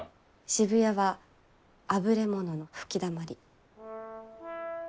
渋谷はあぶれ者の吹きだまり。